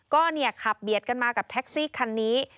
ก็เนี่ยขับเบียดกันมากับแท็กซี่คันนี้